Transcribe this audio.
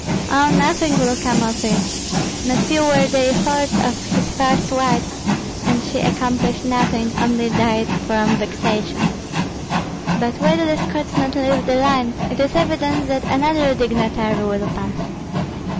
"Oh, nothing will come of it! Not few were the efforts of his first wife, and she accomplished nothing, only died from vexation. But why do the Scots not leave the line? It is evident that another dignitary will pass."